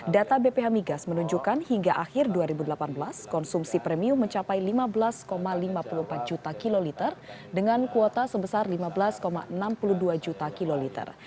data bph migas menunjukkan hingga akhir dua ribu delapan belas konsumsi premium mencapai lima belas lima puluh empat juta kiloliter dengan kuota sebesar lima belas enam puluh dua juta kiloliter